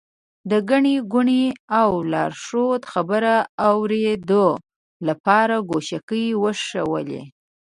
د ګڼې ګوڼې او لارښود خبرو اورېدو لپاره ګوشکۍ ووېشلې.